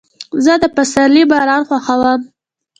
زه د پسرلي باران خوښوم.